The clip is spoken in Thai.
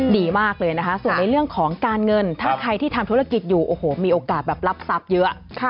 ดีมากเลยนะคะส่วนในเรื่องของการเงินถ้าใครที่ทำธุรกิจอยู่โอ้โหมีโอกาสแบบรับทรัพย์เยอะ